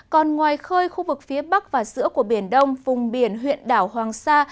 còn ngoài khơi khu vực phía bắc và giữa của biển đông vùng biển huyện đảo hoàng sa